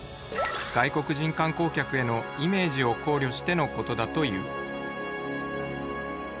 外国人観光客へのイメージを考慮してのことだという